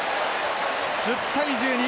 １０対１２。